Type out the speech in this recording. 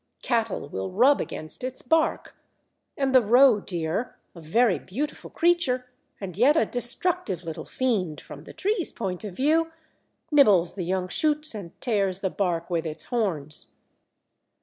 Cattle will rub against its bark, and the roedeer, a very beautiful creature, and yet a destructive little fiend from the tree's point of view, nibbles the young shoots and tears the bark with its horns.